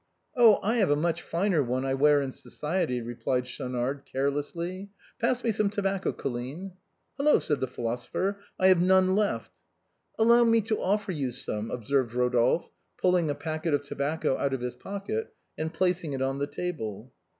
"Oh ! I have a much finer one I wear in society," re plied Schaunard, carelessly. " Pass me some tobacco. Colline." " Hello !" said the philosopher, " I have none left." "Allow me to offer you some," observed Rodolphe,, pulling a packet of tobacco out of his pocket and placing it on the table.